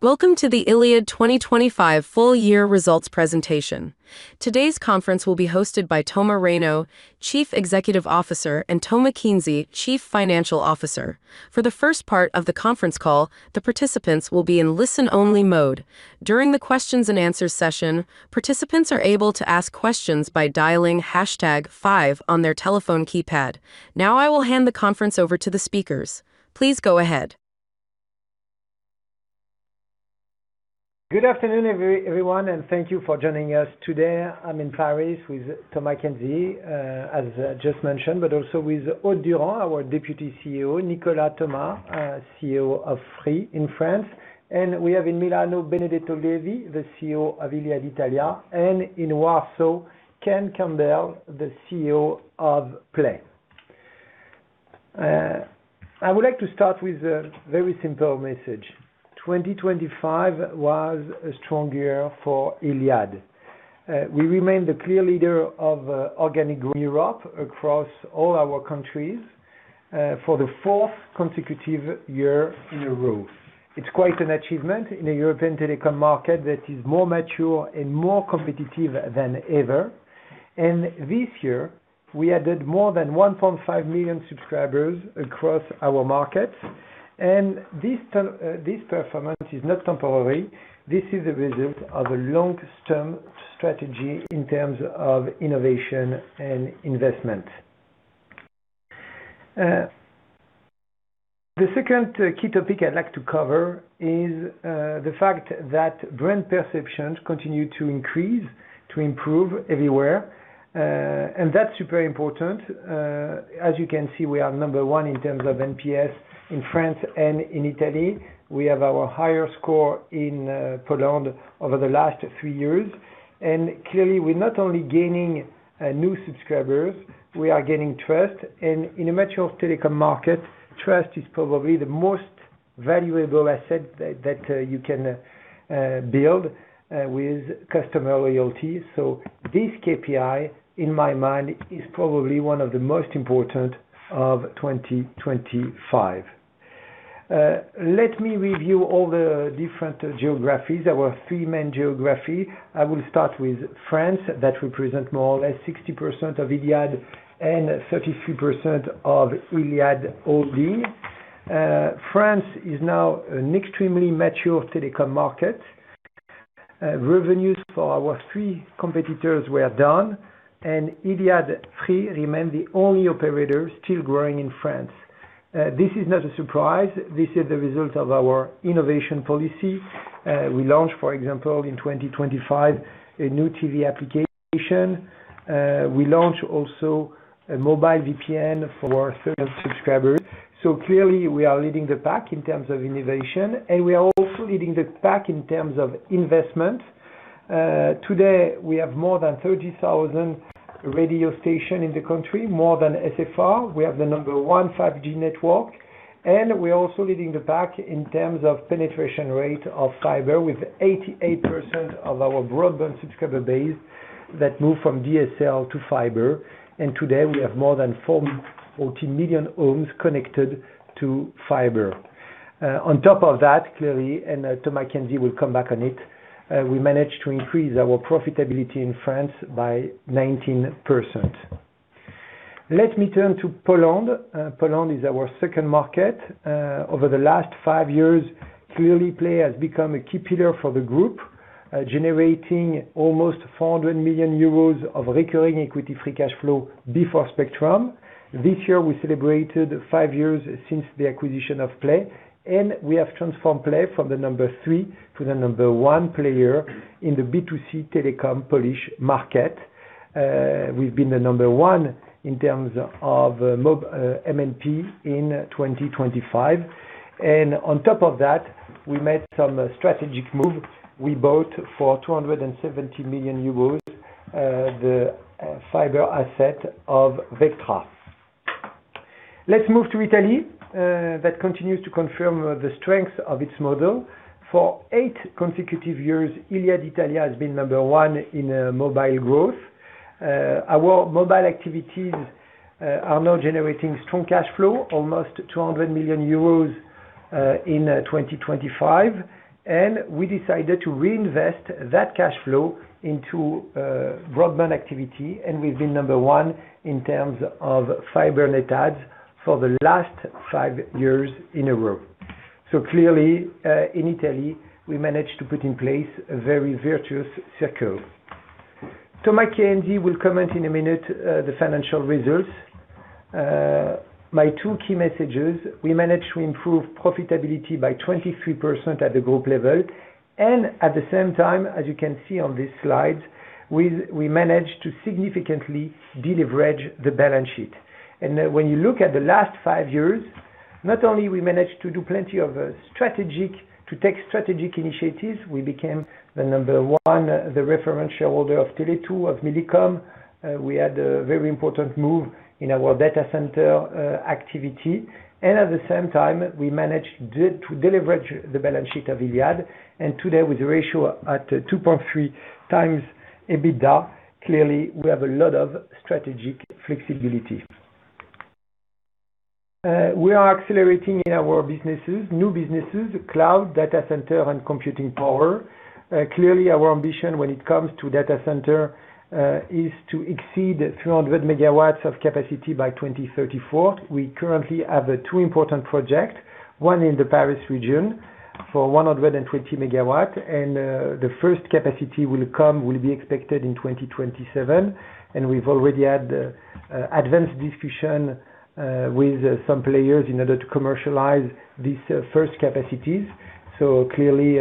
Welcome to the Iliad 2025 full year results presentation. Today's conference will be hosted by Thomas Reynaud, Chief Executive Officer, and Thomas Kienzi, Chief Financial Officer. For the first part of the conference call, the participants will be in listen-only mode. During the questions and answers session, participants are able to ask questions by dialing hashtag five on their telephone keypad. Now, I will hand the conference over to the speakers. Please go ahead. Good afternoon everyone, and thank you for joining us today. I'm in Paris with Thomas Kienzi, as just mentioned, but also with Aude Durand, our Deputy CEO, Nicolas Thomas, CEO of Free in France. We have in Milan, Benedetto Levi, the CEO of Iliad Italia. In Warsaw, Ken Campbell, the CEO of Play. I would like to start with a very simple message. 2025 was a strong year for Iliad. We remain the clear leader of organic Europe across all our countries, for the fourth consecutive year in a row. It's quite an achievement in a European telecom market that is more mature and more competitive than ever. This year, we added more than 1.5 million subscribers across our markets. This performance is not temporary. This is a result of a long-term strategy in terms of innovation and investment. The second key topic I'd like to cover is the fact that brand perceptions continue to increase, to improve everywhere. That's super important. As you can see, we are number one in terms of NPS in France and in Italy. We have our highest score in Poland over the last three years. Clearly, we're not only gaining new subscribers, we are gaining trust. In a mature telecom market, trust is probably the most valuable asset that you can build with customer loyalty. This KPI, in my mind, is probably one of the most important of 2025. Let me review all the different geographies. There were three main geography. I will start with France. That represent more or less 60% of Iliad and 33% of Iliad Holding. France is now an extremely mature telecom market. Revenues for our three competitors were down, and Free remained the only operator still growing in France. This is not a surprise. This is the result of our innovation policy. We launched, for example, in 2025, a new TV application. We launched also a mobile VPN for certain subscribers. Clearly we are leading the pack in terms of innovation, and we are also leading the pack in terms of investment. Today we have more than 30,000 radio station in the country, more than SFR. We have the number one 5G network. We're also leading the pack in terms of penetration rate of fiber with 88% of our broadband subscriber base that moved from DSL to fiber. Today we have more than four million homes connected to fiber. On top of that, clearly, and Thomas Kienzi will come back on it, we managed to increase our profitability in France by 19%. Let me turn to Poland. Poland is our second market. Over the last five years, clearly, Play has become a key pillar for the group, generating almost 400 million euros of recurring equity free cash flow before spectrum. This year we celebrated five years since the acquisition of Play, and we have transformed Play from the number three to the number one player in the B2C telecom Polish market. We've been number one in terms of MNP in 2025. On top of that, we made some strategic move. We bought for 270 million euros the fiber asset of Vectra. Let's move to Italy. That continues to confirm the strength of its model. For eight consecutive years, Iliad Italia has been number one in mobile growth. Our mobile activities are now generating strong cash flow, almost 200 million euros in 2025. We decided to reinvest that cash flow into broadband activity. We've been number one in terms of fiber net adds for the last five years in a row. Clearly, in Italy, we managed to put in place a very virtuous circle. Thomas Kienzi will comment in a minute the financial results. My two key messages, we managed to improve profitability by 23% at the group level. At the same time, as you can see on this slide, we managed to significantly deleverage the balance sheet. When you look at the last 5 years, not only we managed to take strategic initiatives, we became the number one, the reference shareholder of Tele2, of Millicom. We had a very important move in our data center activity. At the same time, we managed to deleverage the balance sheet of Iliad. Today, with the ratio at 2.3 times EBITDA, clearly we have a lot of strategic flexibility. We are accelerating in our businesses, new businesses, cloud data center and computing power. Clearly our ambition when it comes to data center is to exceed 300 MW of capacity by 2034. We currently have two important projects, one in the Paris region for 120 MW. The first capacity will be expected in 2027. We've already had advanced discussions with some players in order to commercialize these first capacities. Clearly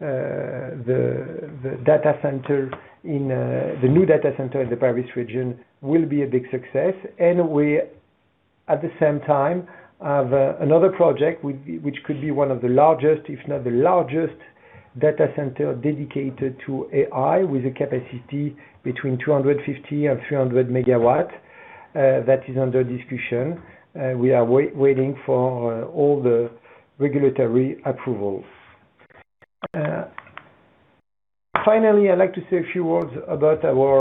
the data center in the new data center in the Paris region will be a big success. We, at the same time, have another project which could be one of the largest, if not the largest data center dedicated to AI with a capacity between 250-300 MW that is under discussion. We are waiting for all the regulatory approvals. Finally, I'd like to say a few words about our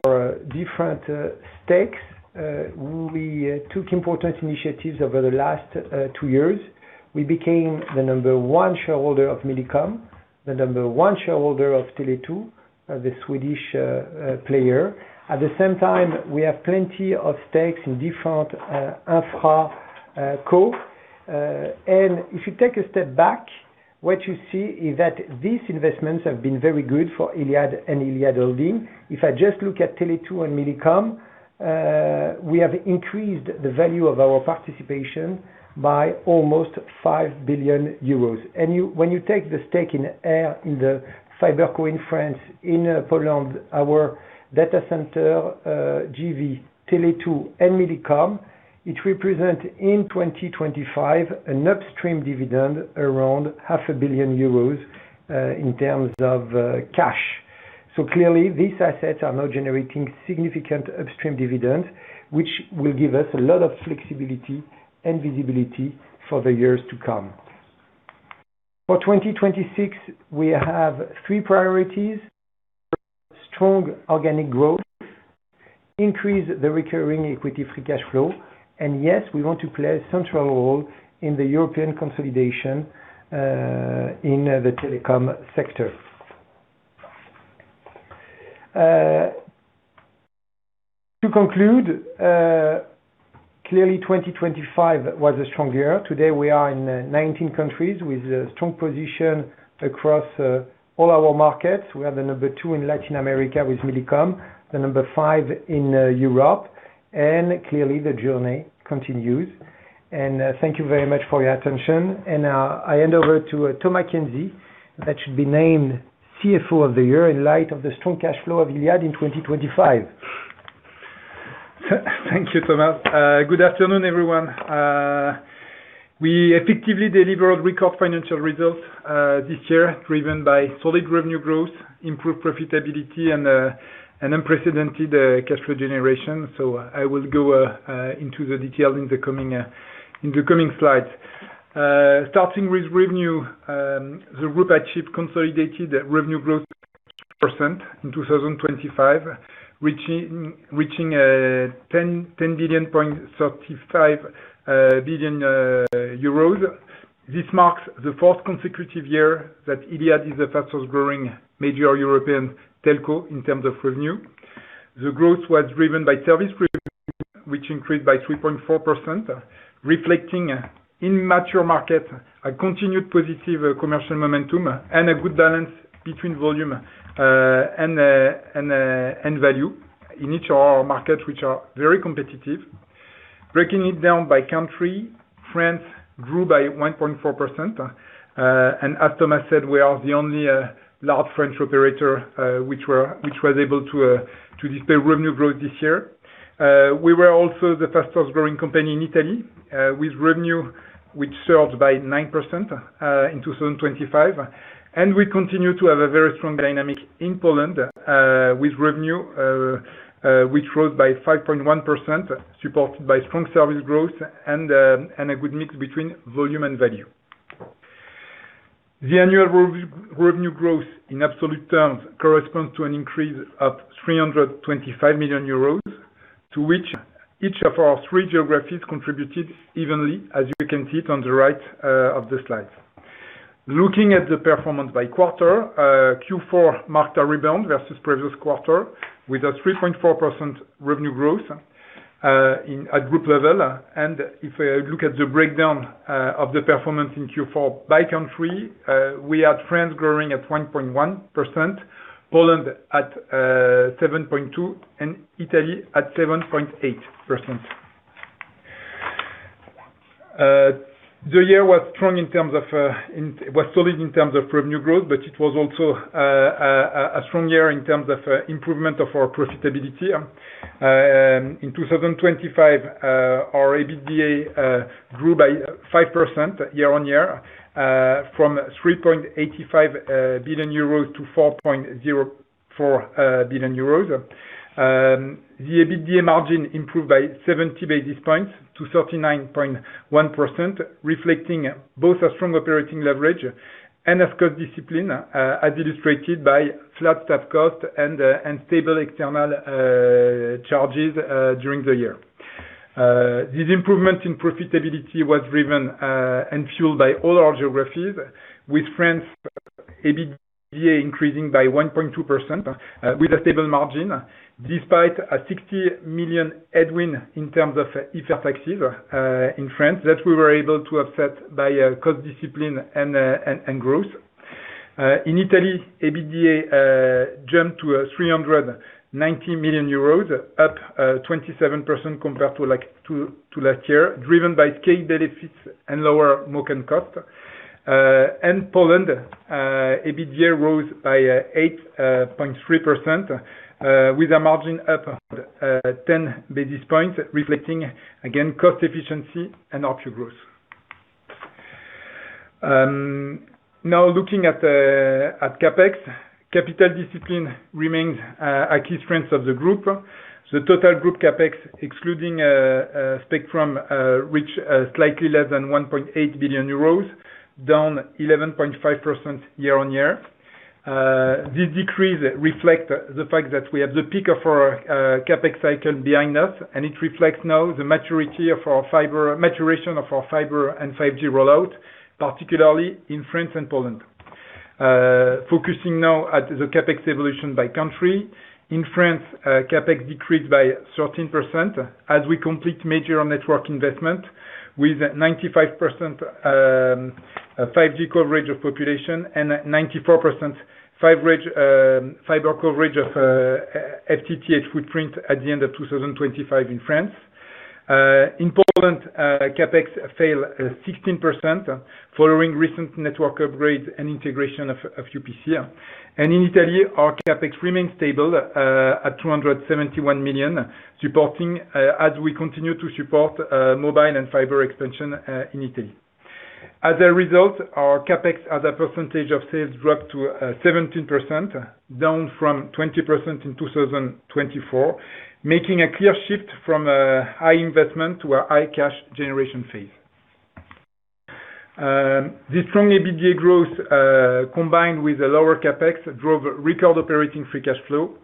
different stakes. We took important initiatives over the last two years. We became the number one shareholder of Millicom, the number one shareholder of Tele2, the Swedish player. At the same time, we have plenty of stakes in different infra co. If you take a step back, what you see is that these investments have been very good for Iliad and Iliad Holding. If I just look at Tele2 and Millicom, we have increased the value of our participation by almost 5 billion euros. When you take the stake in Eir in the FiberCo in France, in Poland, our data center JV Tele2 and Millicom, it represent in 2025 an upstream dividend around half a billion euros in terms of cash. Clearly, these assets are now generating significant upstream dividend, which will give us a lot of flexibility and visibility for the years to come. For 2026, we have three priorities. Strong organic growth, increase the recurring equity free cash flow, and yes, we want to play a central role in the European consolidation in the telecom sector. To conclude, clearly 2025 was a strong year. Today, we are in 19 countries with a strong position across all our markets. We are the number two in Latin America with Millicom, the number five in Europe, and clearly the journey continues. Thank you very much for your attention. I hand over to Thomas Kienzi, that should be named CFO of the Year in light of the strong cash flow of Iliad in 2025. Thank you, Thomas. Good afternoon, everyone. We effectively delivered record financial results this year, driven by solid revenue growth, improved profitability and an unprecedented cash flow generation. I will go into the detail in the coming slides. Starting with revenue, the group achieved consolidated revenue growth % in 2025, reaching EUR 10.35 billion. This marks the fourth consecutive year that Iliad is the fastest growing major European telco in terms of revenue. The growth was driven by service revenue, which increased by 3.4%, reflecting in mature market a continued positive commercial momentum and a good balance between volume and value in each of our markets, which are very competitive. Breaking it down by country, France grew by 1.4%. As Thomas said, we are the only large French operator which was able to display revenue growth this year. We were also the fastest growing company in Italy, with revenue which surged by 9% in 2025. We continue to have a very strong dynamic in Poland, with revenue which rose by 5.1%, supported by strong service growth and a good mix between volume and value. The annual revenue growth in absolute terms corresponds to an increase of 325 million euros, to which each of our three geographies contributed evenly, as you can see it on the right of the slide. Looking at the performance by quarter, Q4 marked a rebound versus previous quarter with a 3.4% revenue growth at group level. If I look at the breakdown of the performance in Q4 by country, we had France growing at 1.1%, Poland at 7.2%, and Italy at 7.8%. The year was solid in terms of revenue growth, but it was also a strong year in terms of improvement of our profitability. In 2025, our EBITDA grew by 5% YoY, from 3.85 billion euros to 4.04 billion euros. The EBITDA margin improved by 70 basis points to 39.1%, reflecting both a strong operating leverage and a cost discipline, as illustrated by flat staff cost and stable external charges during the year. This improvement in profitability was driven and fueled by all our geographies, with France EBITDA increasing by 1.2%, with a stable margin, despite a 60 million headwind in terms of IFER taxes in France, that we were able to offset by cost discipline and growth. In Italy, EBITDA jumped to 390 million euros, up 27% compared to, like, to last year, driven by scale benefits and lower marketing cost. In Poland, EBITDA rose by 8.3%, with a margin up 10 basis points, reflecting again cost efficiency and organic growth. Now looking at CapEx. Capital discipline remains a key strength of the group. The total group CapEx, excluding spectrum, reached slightly less than 1.8 billion euros, down 11.5% YoY. This decrease reflect the fact that we have the peak of our CapEx cycle behind us, and it reflects now the maturity of our fiber and 5G rollout, particularly in France and Poland. Focusing now at the CapEx evolution by country. In France, CapEx decreased by 13% as we complete major network investment with 95% 5G coverage of population and 94% fiber coverage of FTTH footprint at the end of 2025 in France. In Poland, CapEx fell 16% following recent network upgrades and integration of UPC. In Italy, our CapEx remains stable at 271 million, supporting mobile and fiber expansion in Italy. As a result, our CapEx as a percentage of sales dropped to 17%, down from 20% in 2024, making a clear shift from a high investment to a high cash generation phase. This strong EBITDA growth, combined with a lower CapEx, drove record operating free cash flow.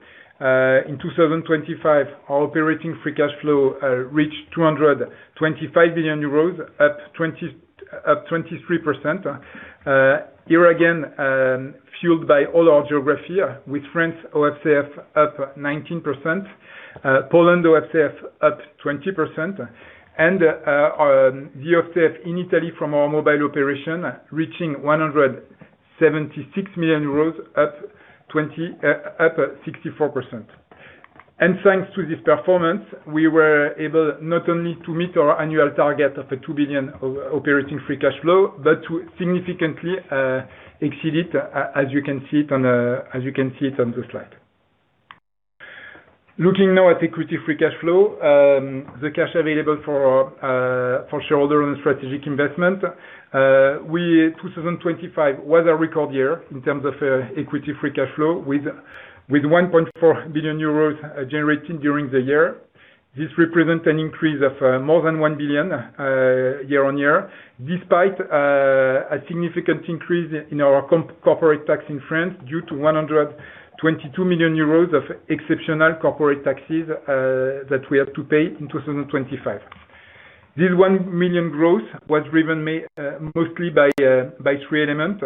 In 2025, our operating free cash flow reached 225 billion euros, up 23%. Here again, fueled by all our geography with France OCF up 19%, Poland OCF up 20%, and our OpFCF in Italy from our mobile operation reaching 176 million euros, up 64%. Thanks to this performance, we were able not only to meet our annual target of a 2 billion operating free cash flow, but to significantly exceed it, as you can see it on the slide. Looking now at equity free cash flow, the cash available for shareholder and strategic investment. 2025 was a record year in terms of equity free cash flow with 1.4 billion euros generated during the year. This represent an increase of more than 1 billion YoY, despite a significant increase in our corporate tax in France, due to 122 million euros of exceptional corporate taxes that we had to pay in 2025. This one billion growth was driven mostly by three elements.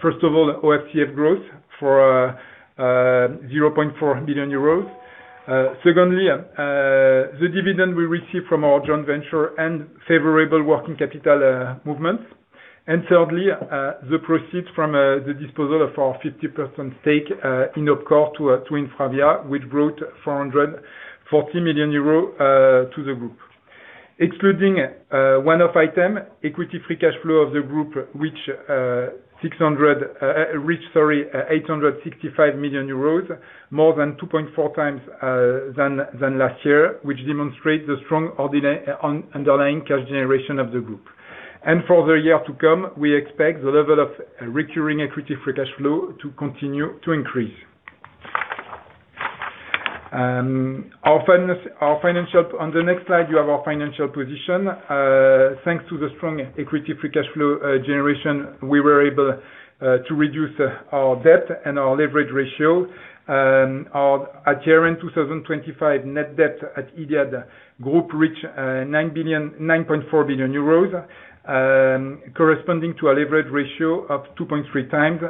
First of all, OCF growth for 0.4 billion euros. Secondly, the dividend we received from our joint venture and favorable working capital movements. Thirdly, the proceeds from the disposal of our 50% stake in OpCore to InfraVia, which brought 440 million euros to the group. Excluding one-off item, equity free cash flow of the group reached 865 million euros, more than 2.4 times than last year, which demonstrates the strong underlying cash generation of the group. For the year to come, we expect the level of recurring equity free cash flow to continue to increase. On the next slide, you have our financial position. Thanks to the strong equity free cash flow generation, we were able to reduce our debt and our leverage ratio. Our year-end 2025 net debt at Iliad Group reached 9.4 billion euros, corresponding to a leverage ratio of 2.3x,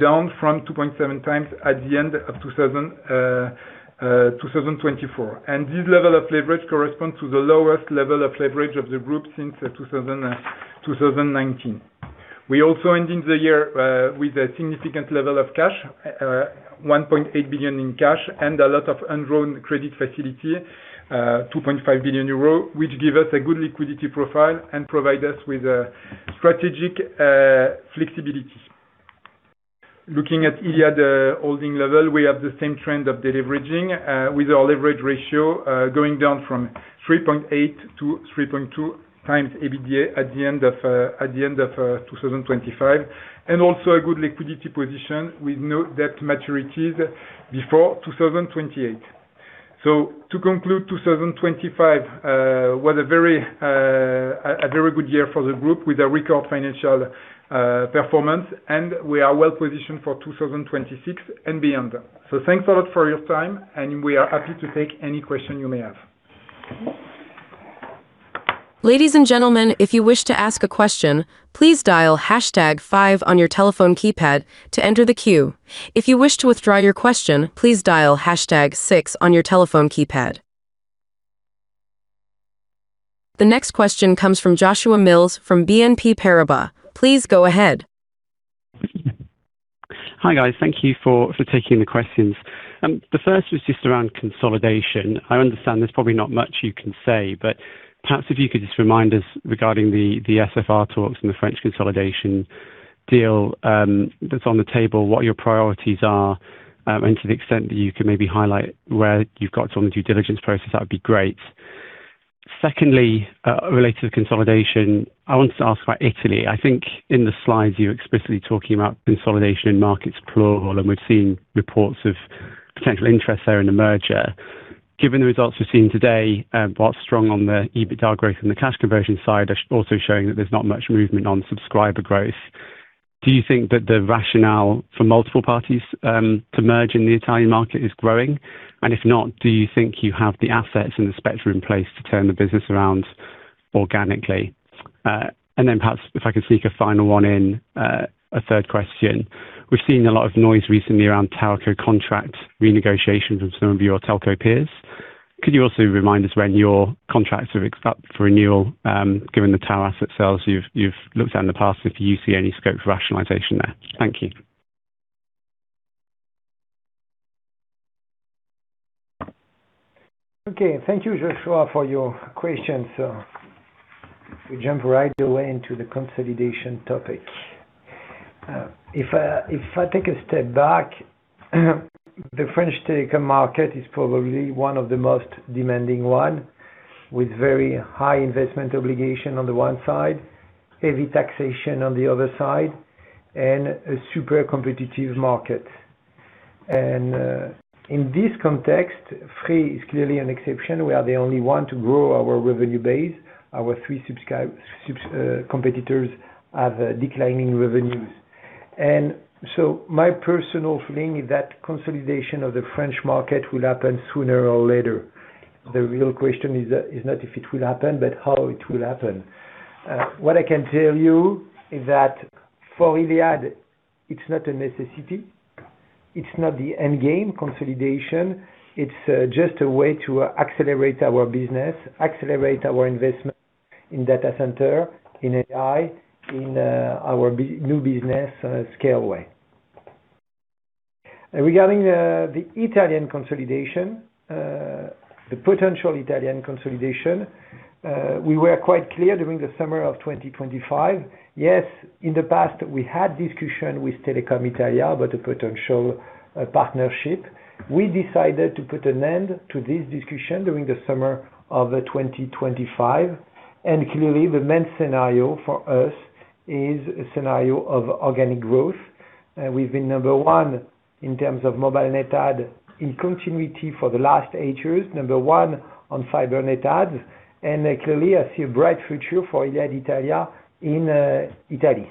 down from 2.7x at the end of 2024. This level of leverage corresponds to the lowest level of leverage of the group since 2019. We also ended the year with a significant level of cash, 1.8 billion in cash and a lot of undrawn credit facility, 2.5 billion euro, which give us a good liquidity profile and provide us with a strategic flexibility. Looking at Iliad Holding level, we have the same trend of deleveraging with our leverage ratio going down from 3.8-3.2 times EBITDA at the end of 2025, and also a good liquidity position with no debt maturities before 2028. To conclude, 2025 was a very good year for the group with a record financial performance, and we are well positioned for 2026 and beyond. Thanks a lot for your time and we are happy to take any question you may have. Ladies and gentlemen, if you wish to ask a question, please dial hashtag five on your telephone keypad to enter the queue. If you wish to withdraw your question, please dial hashtag six on your telephone keypad. The next question comes from Joshua Mills from BNP Paribas. Please go ahead. Hi, guys. Thank you for taking the questions. The first was just around consolidation. I understand there's probably not much you can say, but perhaps if you could just remind us regarding the SFR talks and the French consolidation deal that's on the table, what your priorities are. To the extent that you can maybe highlight where you've got on the due diligence process, that would be great. Secondly, related to consolidation, I wanted to ask about Italy. I think in the slides you're explicitly talking about consolidation in markets plural, and we've seen reports of potential interest there in a merger. Given the results we've seen today, while strong on the EBITDA growth and the cash conversion side, also showing that there's not much movement on subscriber growth. Do you think that the rationale for multiple parties to merge in the Italian market is growing? If not, do you think you have the assets and the spectrum in place to turn the business around organically? Perhaps if I could sneak a final one in, a third question. We've seen a lot of noise recently around telco contract renegotiation from some of your telco peers. Could you also remind us when your contracts are up for renewal, given the tower asset sales you've looked at in the past, if you see any scope for rationalization there? Thank you. Okay. Thank you, Joshua, for your questions. We jump right away into the consolidation topic. If I take a step back, the French telecom market is probably one of the most demanding one, with very high investment obligation on the one side, heavy taxation on the other side, and a super competitive market. In this context, Free is clearly an exception. We are the only one to grow our revenue base. Our three competitors have declining revenues. My personal feeling is that consolidation of the French market will happen sooner or later. The real question is not if it will happen, but how it will happen. What I can tell you is that for Iliad, it's not a necessity. It's not the end game consolidation. It's just a way to accelerate our business, accelerate our investment in data center, in AI, in our new business, Scaleway. Regarding the potential Italian consolidation, we were quite clear during the summer of 2025. Yes, in the past we had discussion with Telecom Italia about a potential partnership. We decided to put an end to this discussion during the summer of 2025. Clearly the main scenario for us is a scenario of organic growth. We've been number one in terms of mobile net add in continuity for the last eight years, number one on fiber net adds. Clearly I see a bright future for Iliad Italia in Italy.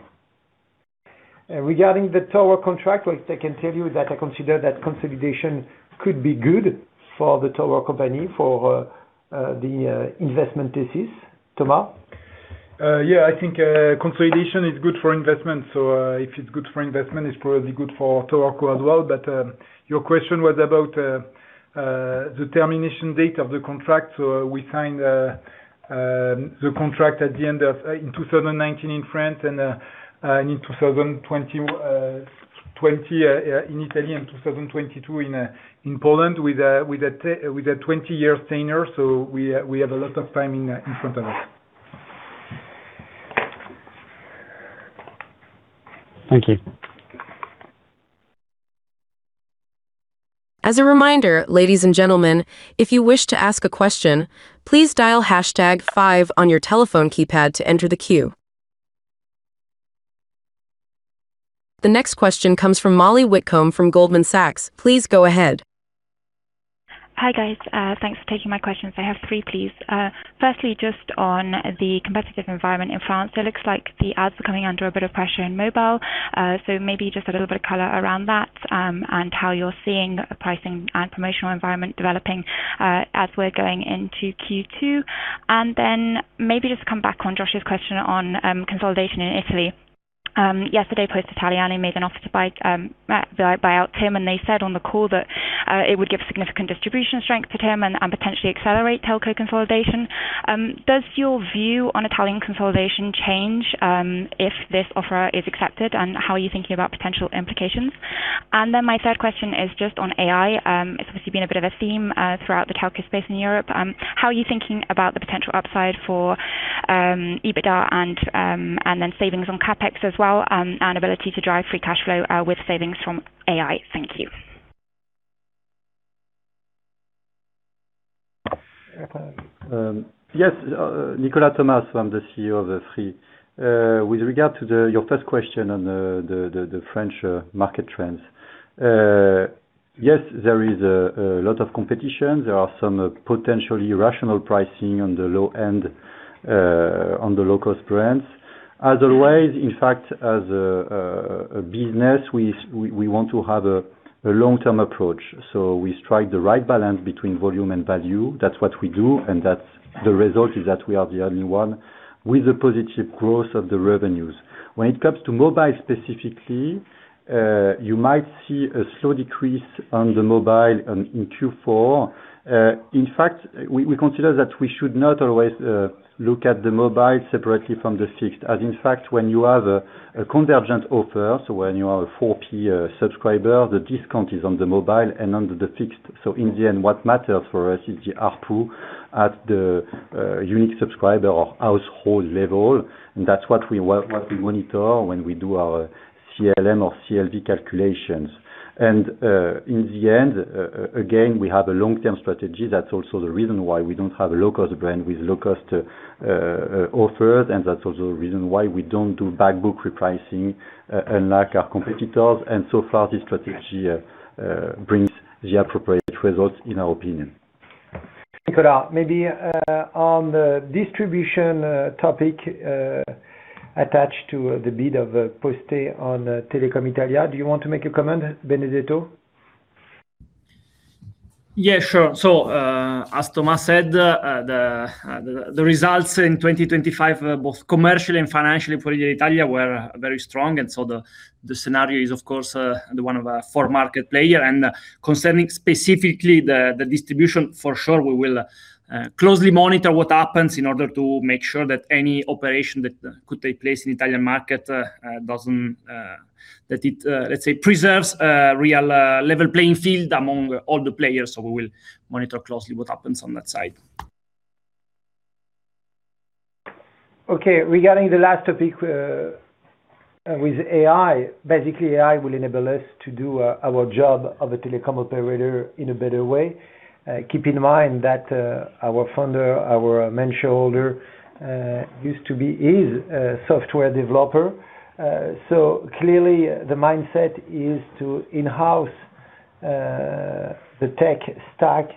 Regarding the tower contract, what I can tell you is that I consider that consolidation could be good for the tower company, for the investment thesis. Thomas? Yeah, I think consolidation is good for investment. If it's good for investment, it's probably good for TowerCo as well. Your question was about the termination date of the contract. We signed the contract in 2019 in France and in 2020 in Italy, in 2022 in Poland with a 20-year tenure. We have a lot of time in front of us. Thank you. As a reminder, ladies and gentlemen, if you wish to ask a question, please dial hashtag five on your telephone keypad to enter the queue. The next question comes from Molly Whitcomb from Goldman Sachs. Please go ahead. Hi, guys. Thanks for taking my questions. I have three, please. Firstly, just on the competitive environment in France, it looks like Iliad is coming under a bit of pressure in mobile. So maybe just a little bit of color around that, and how you're seeing the pricing and promotional environment developing, as we're going into Q2. Then maybe just come back on Josh's question on consolidation in Italy. Yesterday, Poste Italiane made an offer to buy out TIM, and they said on the call that it would give significant distribution strength to TIM and potentially accelerate telco consolidation. Does your view on Italian consolidation change if this offer is accepted, and how are you thinking about potential implications? Then my third question is just on AI. It's obviously been a bit of a theme throughout the telco space in Europe. How are you thinking about the potential upside for EBITDA and then savings on CapEx as well, and ability to drive free cash flow with savings from AI? Thank you. Yes. Nicolas Thomas. I'm the CEO of Free. With regard to your first question on the French market trends. Yes, there is a lot of competition. There are some potentially rational pricing on the low end, on the low-cost brands. As always, in fact, as a business, we want to have a long-term approach. We strike the right balance between volume and value. That's what we do, and that's the result is that we are the only one with a positive growth of the revenues. When it comes to mobile specifically, you might see a slow decrease on the mobile and in Q4. In fact, we consider that we should not always look at the mobile separately from the fixed. As in fact, when you have a convergent offer, so when you are a Quad-play subscriber, the discount is on the mobile and on the fixed. In the end, what matters for us is the ARPU at the unique subscriber or household level. That's what we monitor when we do our CLM or CLV calculations. In the end, again, we have a long-term strategy. That's also the reason why we don't have a low-cost brand with low-cost offers. That's also the reason why we don't do back book repricing, unlike our competitors. So far, this strategy brings the appropriate results in our opinion. Nicolas, maybe, on the distribution topic attached to the bid of Poste on Telecom Italia, do you want to make a comment, Benedetto? Yeah, sure. As Thomas said, the results in 2025, both commercial and financially for Italia, were very strong. The scenario is, of course, the one of a four-player market. Concerning specifically the distribution, for sure, we will closely monitor what happens in order to make sure that any operation that could take place in the Italian market preserves a real level playing field among all the players. We will monitor closely what happens on that side. Okay. Regarding the last topic with AI, basically, AI will enable us to do our job of a telecom operator in a better way. Keep in mind that our founder, our main shareholder used to be is a software developer. So clearly the mindset is to in-house the tech stack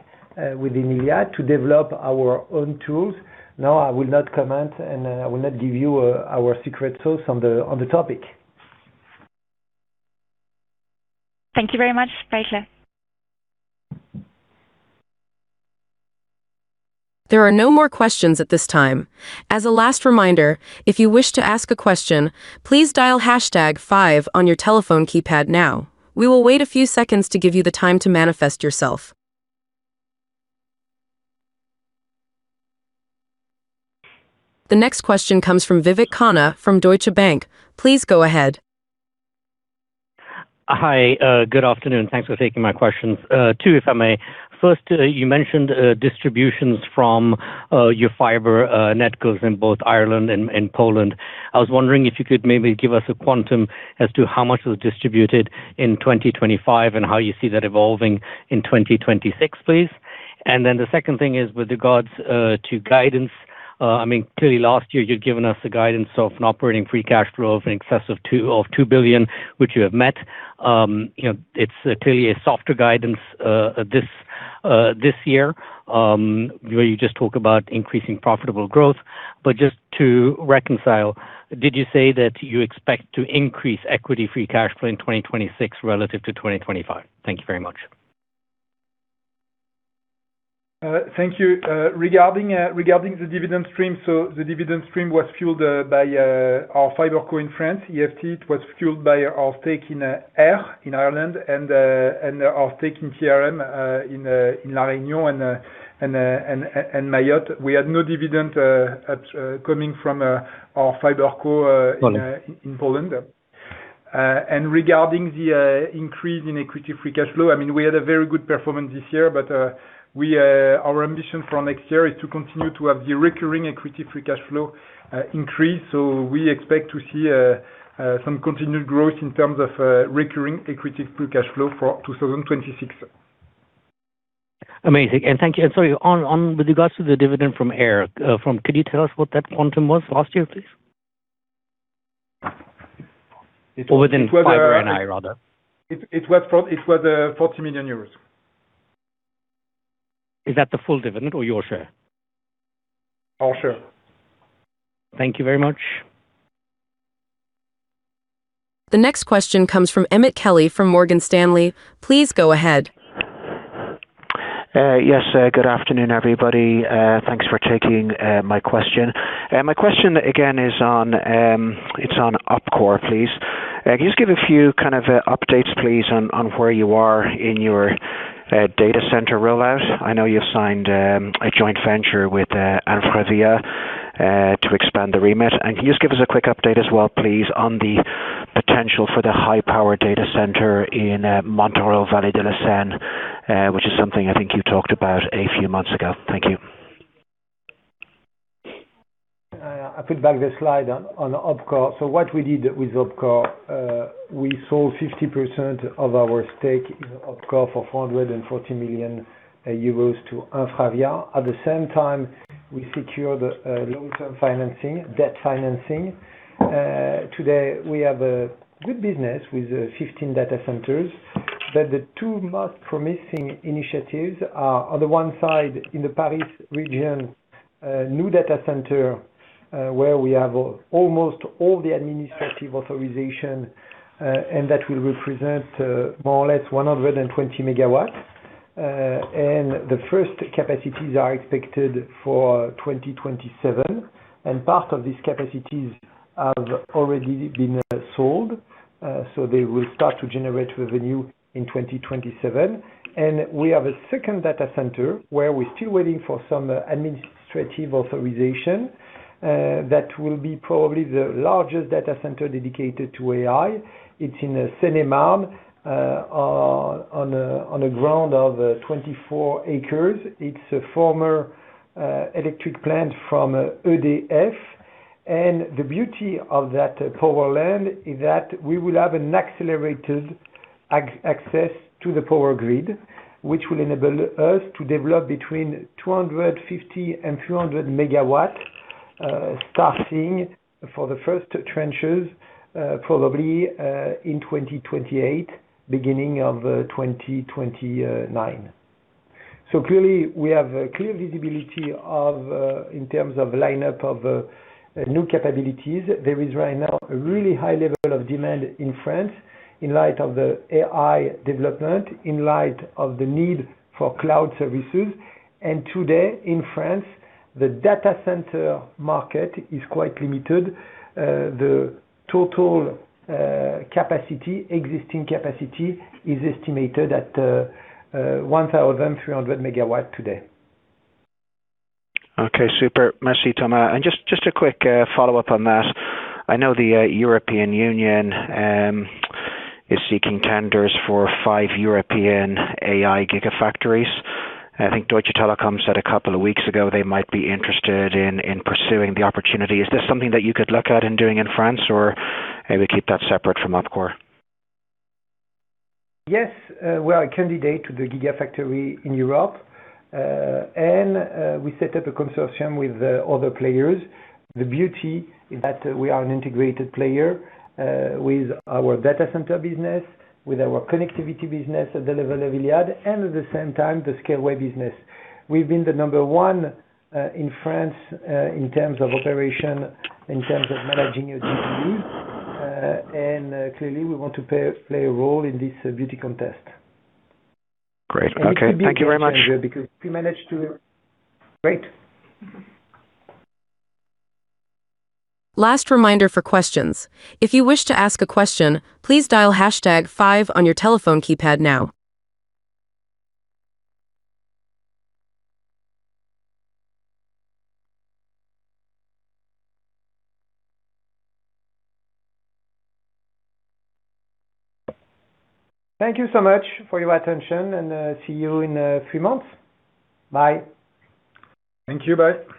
within Iliad to develop our own tools. No, I will not comment, and I will not give you our secret sauce on the topic. Thank you very much. Bye for now. There are no more questions at this time. As a last reminder, if you wish to ask a question, please dial hashtag five on your telephone keypad now. We will wait a few seconds to give you the time to manifest yourself. The next question comes from Vivek Khanna from Deutsche Bank. Please go ahead. Hi, good afternoon. Thanks for taking my questions. Two, if I may. First, you mentioned distributions from your fiber NetCos in both Ireland and Poland. I was wondering if you could maybe give us a quantum as to how much was distributed in 2025 and how you see that evolving in 2026, please. The second thing is with regards to guidance. I mean, clearly last year you'd given us a guidance of an operating free cash flow of in excess of 2 billion, which you have met. You know, it's clearly a softer guidance this year, where you just talk about increasing profitable growth. Just to reconcile, did you say that you expect to increase equity free cash flow in 2026 relative to 2025? Thank you very much. Thank you. Regarding the dividend stream. The dividend stream was fueled by our FiberCo in France, IFT. It was fueled by our stake in Eir in Ireland and our stake in SRR in La Réunion and Mayotte. We had no dividend coming from our FiberCo. Got it. In Poland. Regarding the increase in equity free cash flow, I mean, we had a very good performance this year, but our ambition for next year is to continue to have the recurring equity free cash flow increase. We expect to see some continued growth in terms of recurring equity free cash flow for 2026. Amazing. Thank you. Sorry, on with regards to the dividend from Eir, could you tell us what that quantum was last year, please? It was- Within fiber and Eir rather. It was for 40 million euros. Is that the full dividend or your share? Our share. Thank you very much. The next question comes from Emmet Kelly, from Morgan Stanley. Please go ahead. Yes. Good afternoon, everybody. Thanks for taking my question. My question again is on, it's on OpCore, please. Can you just give a few kind of updates, please, on where you are in your data center rollout? I know you've signed a joint venture with InfraVia to expand the remit. Can you just give us a quick update as well, please, on the potential for the high-power data center in Montereau, Val de Seine, which is something I think you talked about a few months ago. Thank you. I put back the slide on OpCore. What we did with OpCore, we sold 50% of our stake in OpCore for 440 million euros to InfraVia. At the same time, we secured long-term financing, debt financing. Today we have a good business with 15 data centers, but the two most promising initiatives are on the one side in the Paris region, a new data center, where we have almost all the administrative authorization, and that will represent more or less 120 MW. The first capacities are expected for 2027, and part of these capacities have already been sold, so they will start to generate revenue in 2027. We have a second data center where we're still waiting for some administrative authorization, that will be probably the largest data center dedicated to AI. It's in Saint-Mammès, on a ground of 24 acres. It's a former electric plant from EDF. The beauty of that power land is that we will have an accelerated access to the power grid, which will enable us to develop between 250 and 300 MW, starting for the first tranches, probably, in 2028, beginning of 2029. Clearly we have a clear visibility of, in terms of lineup of, new capabilities. There is right now a really high level of demand in France in light of the AI development, in light of the need for cloud services. Today in France, the data center market is quite limited. The total capacity, existing capacity is estimated at 1,300 MW today. Okay. Super. Merci, Thomas. Just a quick follow-up on that. I know the European Union is seeking tenders for five European AI gigafactories. I think Deutsche Telekom said a couple of weeks ago they might be interested in pursuing the opportunity. Is this something that you could look at in doing in France or maybe keep that separate from OpCore? Yes. We are a candidate to the gigafactory in Europe. We set up a consortium with the other players. The beauty is that we are an integrated player, with our data center business, with our connectivity business available at Iliad, and at the same time the Scaleway business. We've been the number one, in France, in terms of operation, in terms of managing a GPU. Clearly we want to play a role in this beauty contest. Great. Okay. Thank you very much. Great. Last reminder for questions. If you wish to ask a question, please dial hashtag five on your telephone keypad now. Thank you so much for your attention and see you in three months. Bye. Thank you. Bye.